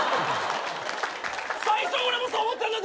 最初俺もそう思ってたんだ。